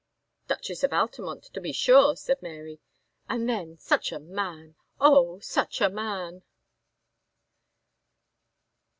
"Duchess of Altamont, to be sure," said Mary: "and then such a man! Oh! such a man!"